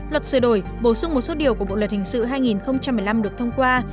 luật sửa đổi bổ sung một số điều của bộ luật hình sự hai nghìn một mươi năm được thông qua